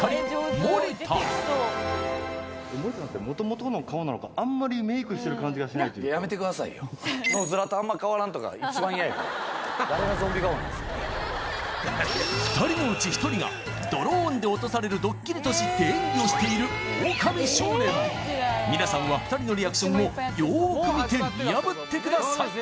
森田森田さんってなんすか２人のうち１人がドローンで落とされるドッキリと知って演技をしているオオカミ少年みなさんは２人のリアクションをよく見て見破ってください